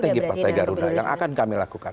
tinggi partai garuda yang akan kami lakukan